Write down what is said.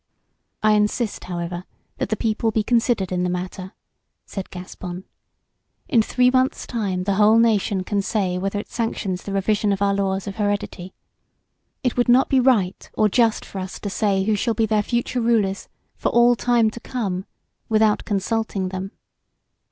"I insist, however, that the people be considered in the matter," said Gaspon. "In three month's time the whole nation can say whether it sanctions the revision of our laws of heredity. It would not be right or just for us to say who shall be their future rulers, for all time to come, without consulting them."